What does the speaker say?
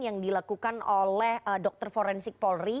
yang dilakukan oleh dokter forensik paul ri